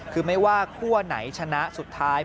คือไม่ว่าคั่วไหนชนะสุดท้าย